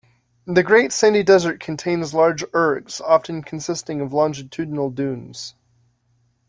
The Great Sandy Desert contains large ergs, often consisting of longitudinal dunes.